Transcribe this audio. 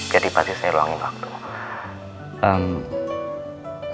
jadi pasti saya ruangin waktu